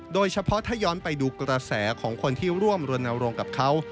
โดยเฉพาะถ้าย้อนไปดูกระแสของคนที่ร่วมรณรงค์กับเขา